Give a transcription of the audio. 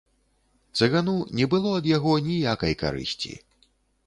Цыгану не было ад яго ніякай карысці.